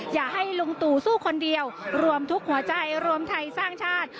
อย่าให้ลุงตู่สู้คนเดียวรวมทุกหัวใจรวมไทยสร้างชาติ